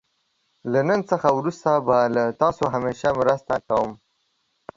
له نن څخه وروسته به له تاسو همېشه مرسته کوم.